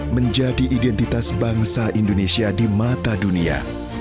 menjadi identitas bangsa indonesia di mata dunia